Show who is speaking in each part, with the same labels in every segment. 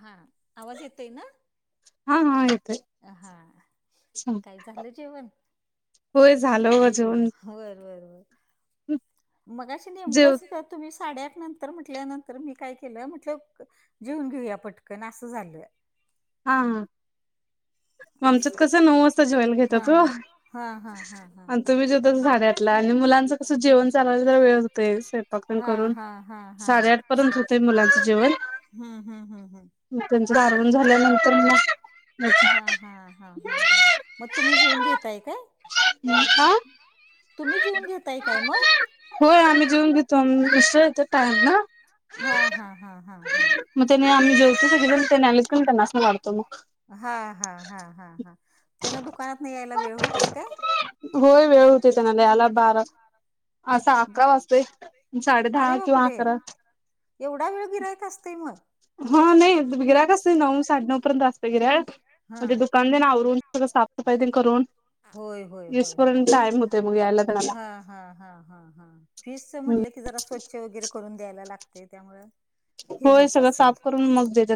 Speaker 1: हां आवाज येतय ना?
Speaker 2: हा हा येतोय.
Speaker 1: हा काय झालं जेवण?
Speaker 2: होय झालं व जेवण
Speaker 1: व्हय व्हय व्हय मगाशी
Speaker 2: जेव
Speaker 1: नेमकंच तुम्ही साडेआठ नंतर म्हटल्यानंतर मी काय केलं म्हटलं जेऊन घेऊया पटकन असं झालं.
Speaker 2: हां हां आमच्यात
Speaker 1: असं
Speaker 2: कसं नऊ वाजता जेवायला
Speaker 1: हा
Speaker 2: घेत्यात ओ.
Speaker 1: हा हा हा हा
Speaker 2: तुम्ही [unintelligible] झाडातला आणि मुलांच तसं जेवण चालायला तर वेळ होतय स्वयंपाक ते
Speaker 1: हा
Speaker 2: करून.
Speaker 1: हा हा हा हा
Speaker 2: साडेआठ पर्यंत होतय मुलांचं जेवण.
Speaker 1: हम हम हम हम.
Speaker 2: मग त्यांचं आवरून झाल्यानंतर मग
Speaker 1: हा हा हा हा हा मग तुम्ही जेवुन घेताय काय?
Speaker 2: आ?
Speaker 1: तुम्ही जेवून घेताय काय मग?
Speaker 2: होय आम्ही जेऊन घेतो मसेत टाईम ना.
Speaker 1: हा हा हा हा हा.
Speaker 2: नाय आम्ही जेवतो सगळेण त्यांनी आले की त्यानास्नी वाढतो मग.
Speaker 1: हा हा हा हा हा त्यांना दुकानातन यायला वेळ होतोय काय?
Speaker 2: होय वेळ होते त्यांना याला बारा असा अकरा वाजतेय साडे
Speaker 1: अरे
Speaker 2: दहा किंवाय
Speaker 1: बापरे
Speaker 2: आकरा.
Speaker 1: एवढा वेळ गिराईक असतय मग?
Speaker 2: हा नाही गिराइक असतय नऊ साडे नऊ पर्यंत असतंय गिराइक
Speaker 1: हा
Speaker 2: म्हणजे दु दुकां तेन आवरून सगळं साफसफाई ते करून
Speaker 1: होय होय होय होय
Speaker 2: इसपर्यंत टाईम होतय मग यायला त्यांला.
Speaker 1: हा हा हा हा हा तेच म्हटलं की जरा स्वच्छ वगैरे करून द्यायला लागते त्यामुळ.
Speaker 2: होय सगळं साफ करून मग देत्यात.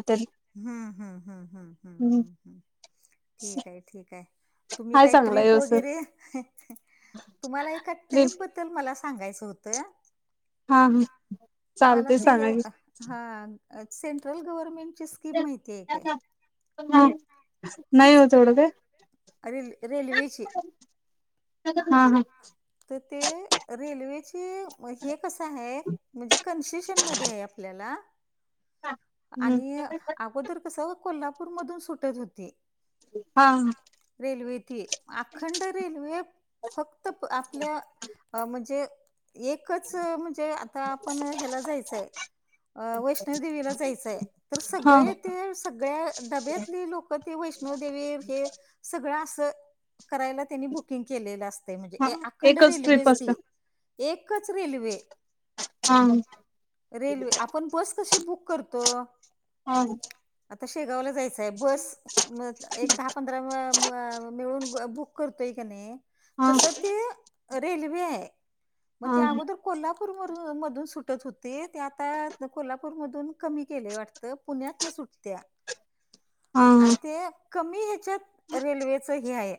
Speaker 1: हम्म हम्म हम्म हम्म हम्म
Speaker 2: तेनी
Speaker 1: हम्म हम ठीकय ठीकय. तुम्ही
Speaker 2: हाय
Speaker 1: काय
Speaker 2: चांगला
Speaker 1: ट्रीप
Speaker 2: व्यवस्थित
Speaker 1: वगैरे तुम्हाला एका
Speaker 2: प्लीज
Speaker 1: ट्रीप ब मला सांगायचं होत
Speaker 2: हा हा
Speaker 1: तुम्हाला
Speaker 2: चालतय
Speaker 1: ते
Speaker 2: सांगा की
Speaker 1: हा सेंट्रल गव्हर्मेंट ची स्कीम माहिती आहे काय?
Speaker 2: नाही हो तेवढं काय.
Speaker 1: रेल् रेल्वेची
Speaker 2: हा हा.
Speaker 1: तर ते रेल्वेची म हे कसं आहे म्हणजे कन्सेशन मध्ये आहे आपल्याला
Speaker 2: हम्म
Speaker 1: आणि अगोदर कसं कोल्हापूर मधून सुटत होती.
Speaker 2: हा हा.
Speaker 1: रेल्वे ती अखंड रेल्वे फक्त आपल्या अ म्हणजे एकच म्हणजे आता आपण ह्याला जायचंय वैष्णवदेवीला जायचं य तर
Speaker 2: हा
Speaker 1: सगळे ते सगळ्या डब्यातली लोक ते वैष्णव देवी हे सगळं अस करायला त्यांनी बुकिंग केलेलं आस तय
Speaker 2: हा
Speaker 1: म्हणजे अखंड
Speaker 2: एकच ट्रिप
Speaker 1: रेल्वेच
Speaker 2: असते
Speaker 1: ती एकच रेल्वे.
Speaker 2: हा
Speaker 1: रेल्वे आपण बस कशी बुक करतो?
Speaker 2: हा.
Speaker 1: आता शेगावला जायचं आहे. बस म एक दहा पंधरा म म-मिळून बुक करतोय का नाही
Speaker 2: हा
Speaker 1: तस ते रेल्वे आहे. मग
Speaker 2: हा
Speaker 1: त्या अगोदर कोल्हापूर वरुन मधून सुटत होती, ती आता कोल्हापूरमधून कमी केलंय वाटतं, पुण्यातन सुटत्या.
Speaker 2: हा
Speaker 1: आणि ते कमी ह्याच्यात रेल्वेच हे आहे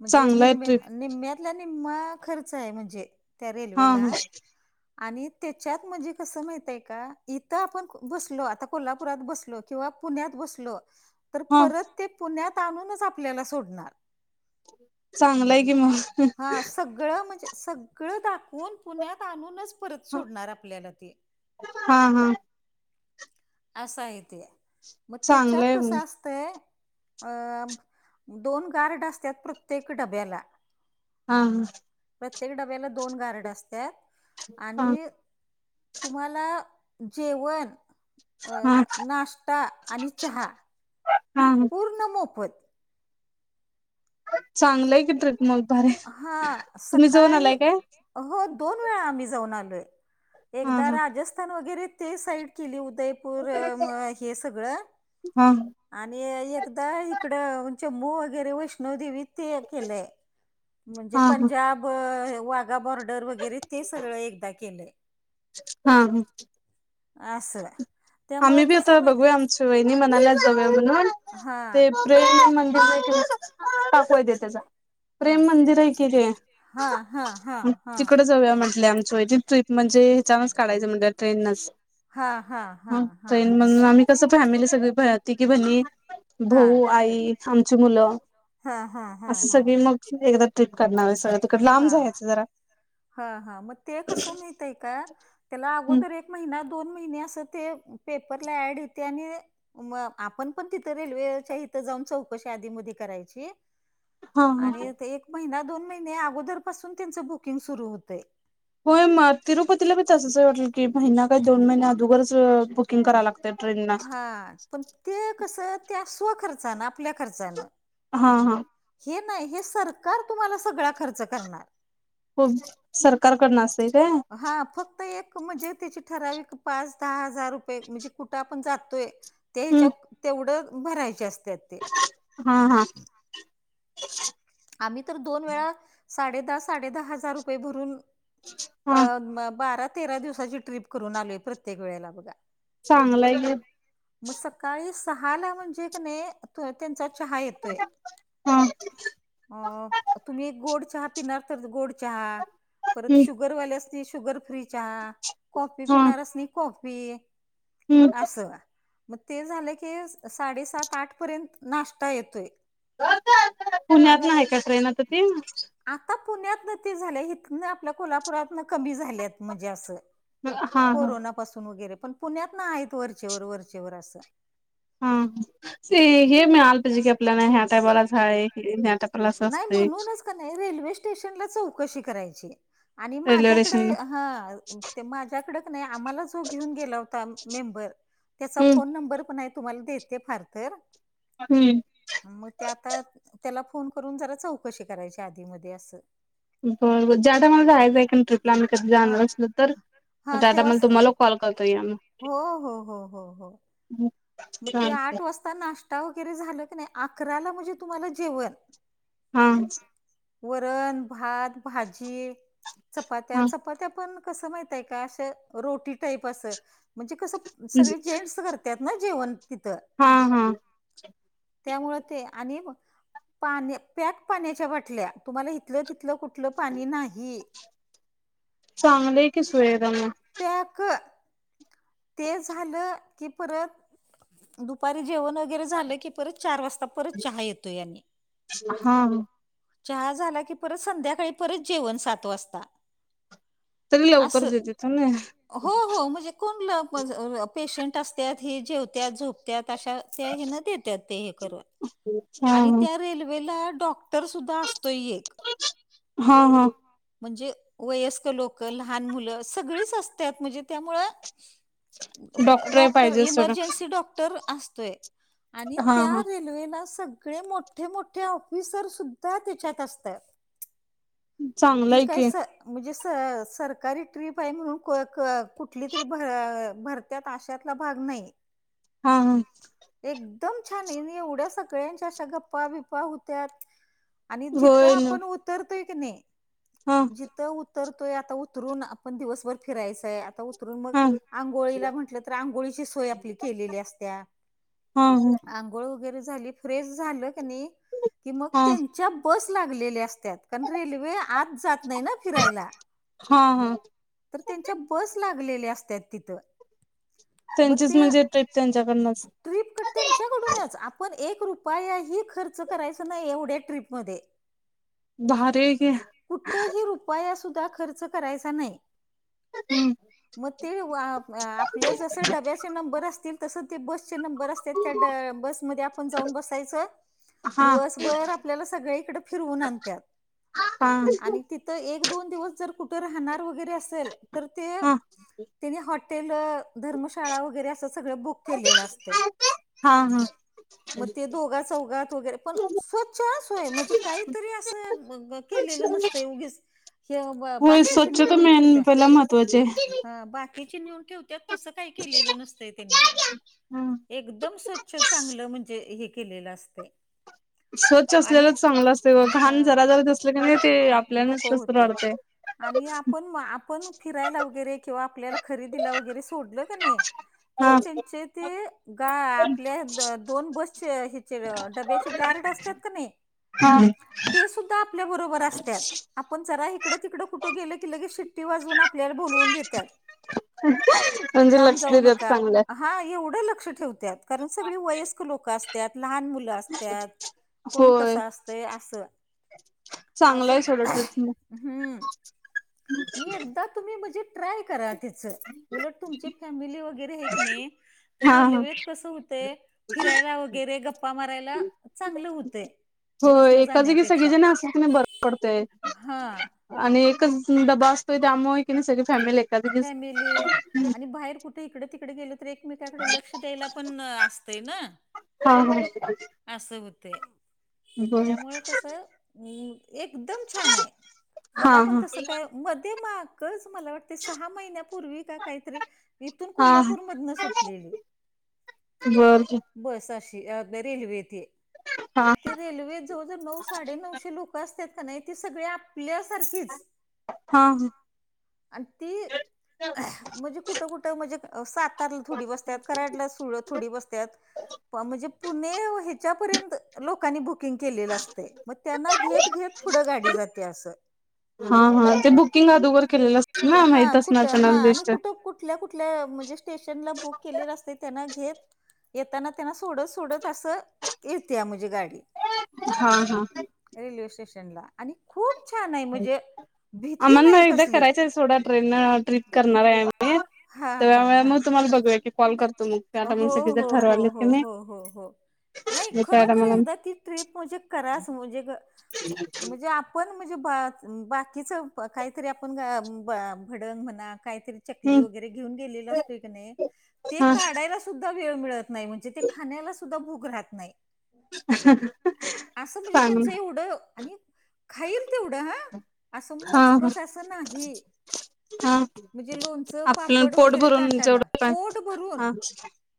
Speaker 1: म्हणजे
Speaker 2: चांगला आहे ट्रिप
Speaker 1: निम्म्या निम्म्यातला निम्मा खर्च आहे म्हणजे. त्या
Speaker 2: हा हा
Speaker 1: रेल्वेला आणि त्याच्यात म्हणजे कसं माहित आहे का? इथं आपण बसलो आता कोल्हापुरात बसलो किंवा पुण्यात बसलो तर
Speaker 2: हा
Speaker 1: परत ते पुण्यात आणूनच आपल्याला सोडणार.
Speaker 2: चांग
Speaker 1: हा सग गळं म्हणजे सगळं दाखवून पुण्यात आणुनचं परत सोडणार आपल्याला ते.
Speaker 2: हा हा.
Speaker 1: असा आहे ते, मग त्याच्यात
Speaker 2: चांगलंय मग
Speaker 1: कसं अस तयं अ दोन गार्ड असतात प्रत्येक डब्याला.
Speaker 2: हा.
Speaker 1: प्रत्येक डब्याला दोन गार्ड असत्यात
Speaker 2: हा हा
Speaker 1: आणि तुम्हाला जेवण,
Speaker 2: हा
Speaker 1: नाश्ता आणि चहा
Speaker 2: हा
Speaker 1: पूर्ण मोफत.
Speaker 2: चांगलंय की ट्रिक मग भारी.
Speaker 1: हा
Speaker 2: तुम्ही जाऊन
Speaker 1: सकाळी
Speaker 2: आलाय काय?
Speaker 1: हो दोन वेळा आम्ही जाऊन आलोय.
Speaker 2: हा
Speaker 1: एकदा
Speaker 2: हा
Speaker 1: राजस्थान वगैरे ते साईड केली उदयपूर म हे सगळं.
Speaker 2: हा
Speaker 1: आणि एकदा इकडं जम्मू वगैरे वैष्णोदेवी ते एक केलेय. म्हणजे
Speaker 2: हा हा
Speaker 1: पंजाब, वाघा बॉर्डर वगैरे ते सगळं एकदा केलंय.
Speaker 2: हा हा.
Speaker 1: असं त्यामुळं कसं आहे माहतीय का?
Speaker 2: वहिनी म्हणाल्या जावूया म्हणून.
Speaker 1: हा.
Speaker 2: ते प्रेम मंदिर हे ते [unintelligible] देत्या जा.
Speaker 1: हा
Speaker 2: प्रेम मंदिर आहे की ते.
Speaker 1: हा हा हा हा
Speaker 2: तिकडं जाऊद्या म्हंटल्या आमची वहिनी ट्रिप म्हणजे चांगलंच काढयचं म्हटल्या ट्रेनंनच.
Speaker 1: हा हा. हा
Speaker 2: हम्म
Speaker 1: हा
Speaker 2: ट्रेनंनच मग आम्ही कसं फॅमिली सगळी तीघी बहिणी,
Speaker 1: हा
Speaker 2: भाऊ, आई. आमचं मुलं.
Speaker 1: हा हा हा
Speaker 2: असं सगळी मग एकदा ट्रीप काढणार आहे सगळं तिकडं लांब
Speaker 1: हा हा
Speaker 2: जायाचं जरा.
Speaker 1: हा हा मग ते कसं माहितीये का, त्याला
Speaker 2: हा
Speaker 1: अगोदर एक महिना दोन महिने असं ते पेपरला ऍड येती आणि मग आपण पण तिथं रेल्वेच्या इथं चौकशी आधी-मधी करायची.
Speaker 2: हा
Speaker 1: आणि ते एक महिना दोन महिने अगोदर पासून त्यांचं बुकिंग सुरू होतंय.
Speaker 2: होय मग तिरुपतीला बी तसंच वाटलं की महिना का दोन महिना अगोदरच अ बुकिंग करावं लागतंय.
Speaker 1: हा पण ते कसं त्या स्वः खर्चाने आपल्या खर्चानं.
Speaker 2: हा हा.
Speaker 1: हे नाही, हे सरकार तुम्हाला सगळा खर्च करणार.
Speaker 2: हो सरकारकडनं असतय काय
Speaker 1: हा फक्त एक म्हणजे त्याची ठराविक पाच दहा हजार रुपये, म्हणजे कुठं आपण जातोय, त्या
Speaker 2: हम्म
Speaker 1: हच्याव तेवढं, भरायचे असत्यात ते.
Speaker 2: हा हा.
Speaker 1: आम्ही तर दोन वेळा, साडे दहा साडे दहा हजार रुपये भरून अ
Speaker 2: हा
Speaker 1: म बारा तेरा दिवसाची ट्रिप करून आलोय प्रत्येक वेळेला बघा.
Speaker 2: चांगलय की.
Speaker 1: मग सकाळी सहाला म्हणजे का नाई, अ त्यांचा चहा येतोय.
Speaker 2: हां.
Speaker 1: अ तुम्ही गोड चहा पिणार तर गोड चहा, परत
Speaker 2: हम्म
Speaker 1: शुगर वाल्यास नी शुगर फ्री चहा, कॉफी
Speaker 2: हा
Speaker 1: पिणाऱ्यासनी कॉफी.
Speaker 2: हम्म
Speaker 1: असं. मग ते झालं की, साडे सात आठ पर्यंत नाश्ता येतोय. आणि
Speaker 2: पुण्यात नं आहे का ट्रेन आता ती.
Speaker 1: आता पुण्यात नं ती झालं, इथनं आपल्या कोल्हापुरातनं कमी झाल्यात म्हणजे असं.
Speaker 2: हा हा
Speaker 1: कोरोना पासून वगैरे, पण पुण्यातलनं आहेत वरचेवर वरचेवर असं.
Speaker 2: हा, ते हे मिळालं पाहिजे की आपल्याला या टायमाला ठाई भाई हे नायतर
Speaker 1: नाय म्हणूनच का नाही रेल्वे स्टेशनला चौकशी करायची. आणि
Speaker 2: रेल्वे
Speaker 1: माझ्याकडे,
Speaker 2: स्टेशनला
Speaker 1: हा ते माझ्याकडं क नै, आम्हालाच हो घेऊन गेले हुता मेंबर. त्याचा
Speaker 2: हम्म
Speaker 1: फोन नंबर पण हाय तुम्हाला देते फारकर.
Speaker 2: हम्म.
Speaker 1: मग त्या आता, त्याला फोन करून जरा चौकशी करायची ध्येय मध्ये असं.
Speaker 2: बरबर ज्या टायमाला जायचं की नाय
Speaker 1: आहे
Speaker 2: ट्रीपला आम्ही
Speaker 1: ट्रिपला
Speaker 2: कधी
Speaker 1: म्हणजे हा
Speaker 2: जाणार असलं तर
Speaker 1: तिथं आम्ही
Speaker 2: मग
Speaker 1: हा
Speaker 2: त्या टायमाला
Speaker 1: तेव्हाच
Speaker 2: तुम्हाला कॉल करतो या मग,
Speaker 1: करता येईल. हो हो हो हो हो.
Speaker 2: हम्म.
Speaker 1: मग ते आठ वाजता नाश्ता वगैरे झालं की नाय, अकराला म्हणजे तुम्हाला जेवण.
Speaker 2: हां.
Speaker 1: वरण भात भाजी चपात्या,
Speaker 2: हा
Speaker 1: चपात्या पण कसं माहितीये का, असं रोटी टाईप असं, म्हणजे कसं सगळे जेन्ट्स करत्यात ना जे जेवण तिथं,,
Speaker 2: हा हा
Speaker 1: हम्म, त्यामुळे ते आणि पाणी, प्याक पाण्याच्या बाटल्या, तुम्हाला हिथलं तिथलं कुठलं पाणी नाही.
Speaker 2: चांगलंय की सुवेदा मग
Speaker 1: पॅक. ते झालं की परत, दुपारी जेवण वगैरे झालं की परत चार वाजता परत चहा येतोय आणि.
Speaker 2: हा हा.
Speaker 1: चहा झाला की परत संध्याकाळी परत जेवण सात वाजता.
Speaker 2: तरी लवकर
Speaker 1: असं,
Speaker 2: देते तर ना
Speaker 1: हो हो म्हणजे कोण [unintelligible] पेशंट असत्यात, ही जेवत्यात झोपत्याात अशा त्या हेनं देतात ते हे खरं.
Speaker 2: हा हा
Speaker 1: आणि त्या रेल्वेला डॉक्टर सुद्धा असतोय एक.
Speaker 2: हा हा
Speaker 1: म्हणजे वयस्कर लोकं, लहान मुलं, सगळीच असं त्यात म्हणजे त्यामुळं डॉक्टर,
Speaker 2: पाहिजे सोडा
Speaker 1: इमर्जन्सी डॉक्टर असतोय. आणि
Speaker 2: हा
Speaker 1: त्या
Speaker 2: हा
Speaker 1: रेल्वेला सग ळे मोठे मोठे ऑफिसर सुद्धा त्याच्यात असताय.
Speaker 2: चांगलं
Speaker 1: ते
Speaker 2: आहे
Speaker 1: काय
Speaker 2: की
Speaker 1: स म्हणजे स सरकारी ट्रिप हाय म्हणून कुठली तरी भ भरत्यात आश्यातला भाग नाही.
Speaker 2: हा हा.
Speaker 1: एकदम छान आहे यांनी एवढ्या सगळ्यांच्या अशा गप्पा बिप्पा होत्यात. आणि जिथं
Speaker 2: होय ना
Speaker 1: आपण उतरतोय की नाही
Speaker 2: हा
Speaker 1: जिथं उ उतरतोय आता उतरून आपण दिवसभर फिरायचाय आता उतरून मग
Speaker 2: हा
Speaker 1: आंघोळीला म्हंटलं तर आंघोळीची सोय आपली केलेली असत्या.
Speaker 2: हा
Speaker 1: आंघोळ वगैरे झाली फ्रेश झालं काणि नाही कि मग
Speaker 2: हा
Speaker 1: त्यां च्या बस लागलेल्या असत्यात कारण रेल्वे आत जात नाही ना फिरायला
Speaker 2: हा हा
Speaker 1: तर त्यांच्या बस लागलेल्या असत्यात. तिथं
Speaker 2: त्यांचीच म्हणजे ते त्यांच्याकडनंच.
Speaker 1: ट्रीप कट्ट तुमच्याकडूनच आपण एक रुपया हि खर्च करायच नाही एवढ्या ट्रीपमध्ये.
Speaker 2: भारी आहे की.
Speaker 1: कुठही रुपया सुद्धा खर्च करायचा नाही.
Speaker 2: हम्म.
Speaker 1: म ते आपलं वाप आपलं जसं डब्याचे नंबर असतील तसं ते बसचे नंबर असत्यात कडं बसमध्ये आपण जाऊन बसायचं
Speaker 2: हा
Speaker 1: दिवसभर आपल्याला सगळीय इकडे फिरवून आणत्यात. आणि
Speaker 2: [unintelligible]
Speaker 1: तिथं एक-दोन दिवस जर कुठं राहणार वगैरे असेल तर
Speaker 2: हा
Speaker 1: त्यांनी हॉटेल धर्मशाळा वगैरे असं सगळं बुक केलेला असतं.
Speaker 2: हा हा.
Speaker 1: म ते दोघा सौगात वगैरे पण स्वच्छ असोय म्हणजे काहीतरी असं मगं केलेलं नसतेय उगीच हे ब-
Speaker 2: होय
Speaker 1: बाकीचे
Speaker 2: स्वच्छता
Speaker 1: नेऊन
Speaker 2: मेन
Speaker 1: ठेवत्या.
Speaker 2: पहिला महत्वाचे.
Speaker 1: हा बाकीचे नेऊन ठेव त्यात तसं काही केलेलं नसतं त्यांनी
Speaker 2: आहे
Speaker 1: एकदम स्वच्छ चांगलं म्हणजे हे केलेला असतय.
Speaker 2: स्वच्छ असलेलं चांगलं असते हो
Speaker 1: हा
Speaker 2: घान जरा जराच असले की नाही ते आपल्यालनस
Speaker 1: नको
Speaker 2: कसंतरी
Speaker 1: होतंय
Speaker 2: वाटते.
Speaker 1: आणि आपण आपण फिरायला वगैरे किंवा आपल्याला खरेदीला वगैरे सोडलं का नाही तर
Speaker 2: हा
Speaker 1: त्यांचे ते गा आपल्या द दोन बसचे हेचे डब्याचे गार्ड असतात का नाही
Speaker 2: हा
Speaker 1: ते सुद्धा आपल्या बरोबर असत्यात आपण जरा हिकडं तिकडं कुठं गेलं की लगेच सिट्टी वाजवून आपल्याला बोलून घेत
Speaker 2: म्हणजे लक्ष
Speaker 1: जाऊ
Speaker 2: नाही देत
Speaker 1: नका
Speaker 2: चांगलं.
Speaker 1: हा एवढं लक्ष ठेवतात कारण सगळी वयस्कर लोकं असत्यात लहान मुल ला असत्यात कोण
Speaker 2: होय
Speaker 1: कसं असतय असं
Speaker 2: चांगलं
Speaker 1: असं
Speaker 2: आहे सोडं ट्रिप
Speaker 1: हम्म. आणि एकदा तुम्ही म्हणजे ट्राय करा तिचं उलट तुमचे फॅमिली वगैरे हाय का नाही
Speaker 2: हा हा.
Speaker 1: रेल्वेत कसं होतय फिरायला वगैरे गप्पा माराय ला चांगलं होतय.
Speaker 2: होय एका जागी सगळेजण असले की नाही बरं पडतय.
Speaker 1: हा
Speaker 2: आणि एकच डब्बा असतोय त्यामुळे कि नाही सगळी फॅमिली एक
Speaker 1: फॅमिली आणि बाहेर कुठं ते इकडं तिकडं गेल तर, एकमेकांकडे लक्ष द्यायला पण असतंय ना.
Speaker 2: हा हा.
Speaker 1: आस होतंय.
Speaker 2: बर
Speaker 1: त्यामुळे कस एकदम छान आहे,
Speaker 2: हा
Speaker 1: मला पण
Speaker 2: हा
Speaker 1: तसं काय. मग ते मागच मला वाट ते सहा महिन्यापूर्वी का काहीतरी, इथून
Speaker 2: हा
Speaker 1: कोल्हापूर मधून सुटलेली.
Speaker 2: बर.
Speaker 1: बस अशी अ रेल्वेे ती.
Speaker 2: हा
Speaker 1: आ ते रेल्वे जवळ जवळ नऊ, साडे नऊशे लोक असत्यात कणी. ती सगळी आपल्यासारखीच.
Speaker 2: हा हा.
Speaker 1: आणि ती म्हणजे, कुठं कुठं म्हणजे सात तारला थोडी बसत्यात, कराडला सुळ थोडी बसत्यात. प म्हणजे पुणे हेच्यापर्यंत लोकांनी बुकिंग केलेलं असते, मग त्यांना घेत घेत. पुढं गाडी जात्या असं.
Speaker 2: हा हा, ते बुकिंग अदोगर केलेलं असतं ना,
Speaker 1: हा
Speaker 2: माहित असणार ना
Speaker 1: कुठं हा
Speaker 2: त्यांना
Speaker 1: आणि
Speaker 2: लिस्ट.
Speaker 1: कुठं कुठल्या कुठल्या म्हणजे, स्टेशनला बुक केलेलं असते त्यांना घेतं. येताना त्यांना सोडत सोडत असं, येत्या म्हणजे गाडी.
Speaker 2: हा हा.
Speaker 1: रेल्वे स्टेशनला आणि, खूप छान आहे म्हणजे भीती
Speaker 2: आम्हाला
Speaker 1: नाही
Speaker 2: ना एकदा
Speaker 1: कसली.
Speaker 2: करायचं आहे सोडा ट्रेन ट्रिप करणार आहे आम्ही,
Speaker 1: हा
Speaker 2: तर
Speaker 1: हा
Speaker 2: त्यावेळी
Speaker 1: हा.
Speaker 2: मग तुम्हाला बघूया की कॉल करतो मग. त्या
Speaker 1: हो
Speaker 2: टायमाला सगळी जर
Speaker 1: हो हो
Speaker 2: ठरवालेत की
Speaker 1: हो
Speaker 2: नाही
Speaker 1: हो हो हो. नाही
Speaker 2: मग त्या
Speaker 1: खरोखर
Speaker 2: टायमाला
Speaker 1: एकदा ती ट्रिप म्हणजे, कराच म्हणजे म्हणजे आप आपण म्हणजे बा बाकीचं काहीतरी, आपण भडंग म्हणा काहीतरी. चकली
Speaker 2: हम्म
Speaker 1: वगैरे घेऊन गेलेलो असतो कणी.
Speaker 2: हा
Speaker 1: काढायला सुद्धा वेळ मिळत नाही, म्हणजे ते खाण्याला सुद्धा भूक राहत नाही.
Speaker 2: [inaudible]
Speaker 1: असं म्हणजे
Speaker 2: सांग
Speaker 1: त्याचं एवढं, आणि खाईल तेवढं हं.
Speaker 2: हा हा हा,
Speaker 1: म्हणजे लोणचं
Speaker 2: आपल्याला
Speaker 1: पापड
Speaker 2: पोट
Speaker 1: वगैरे
Speaker 2: भरून
Speaker 1: ताटाला
Speaker 2: जेवढ.
Speaker 1: पोट
Speaker 2: [unintelligible]
Speaker 1: भरून
Speaker 2: हा.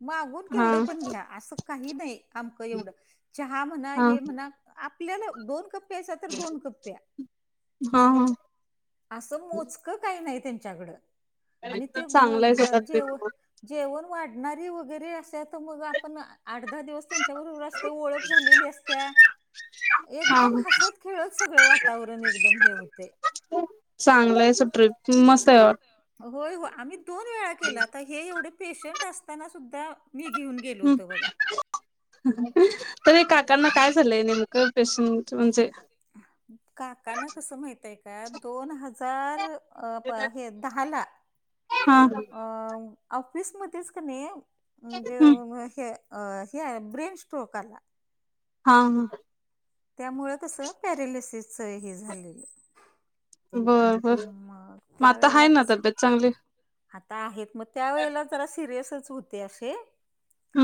Speaker 1: मागून
Speaker 2: हा
Speaker 1: केवढं पण घ्या. असं काही नाही आमक एवढं चहा म्हणा
Speaker 2: हा
Speaker 1: हे म्हणा. आपल्याला दोन कप प्यायचा, तर दोन कप प्या.
Speaker 2: हा हा.
Speaker 1: असं मोजकं काही नाही त्यांच्याकडं, आणि ते
Speaker 2: चांगलं आहे स्वतः
Speaker 1: जेव
Speaker 2: ट्रिप
Speaker 1: जेवण वाढणारे वगैरे असे तर मग, आपण आठ दहा दिवस ते त्यांच्याबरोबर असते, ओळख झालेली असत्या.
Speaker 2: हा
Speaker 1: एकदम हसत खेळत सगळं वातावरण एकदम हे होतंय.
Speaker 2: चांगलाय आहे. सु ट्रीप मस्त आहे. वाट
Speaker 1: होय हो आम्ही दोन वेळा केलं आता, हे एवढे पेशंट असताना सुद्धा मी घेऊन. गेलो
Speaker 2: हम
Speaker 1: होतो बघा
Speaker 2: तरी काकांना काय झालंय नेमकं पेशंट. असं म्हणजे,
Speaker 1: काकाना कसं माहितेय का, दोन हजार. अ प हे दहाला.
Speaker 2: हा
Speaker 1: अ ऑफिसमध्येच कणी म्हणजे
Speaker 2: हा
Speaker 1: हे. अ हे आहे ब्रिन स्टोक आला
Speaker 2: हां हां.
Speaker 1: त्यामुळं कस पॅरेलिसिसच हे झालेलं.
Speaker 2: बर बर,
Speaker 1: मग
Speaker 2: म आता आहे
Speaker 1: त्यावेळेला
Speaker 2: ना
Speaker 1: कसं
Speaker 2: तब्येत चांगली?
Speaker 1: आता आहेत, म त्या वेळेला जरा सिरियसच होते असे
Speaker 2: ह